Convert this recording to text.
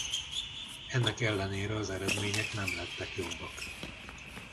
Ennek ellenére az eredmények nem lettek jobbak.